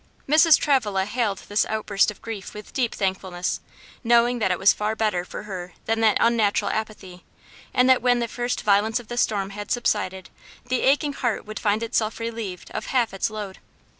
Mrs. Travilla hailed this outburst of grief with deep thankfulness, knowing that it was far better for her than that unnatural apathy, and that when the first violence of the storm had subsided, the aching heart would find itself relieved of half its load.